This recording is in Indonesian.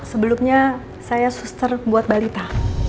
sebelumnya saya suster buat balita